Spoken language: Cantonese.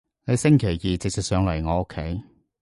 你星期二直接上嚟我屋企